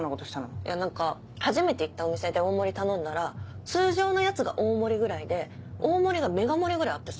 いや何か初めて行ったお店で大盛り頼んだら通常のやつが大盛りぐらいで大盛りがメガ盛りぐらいあってさ。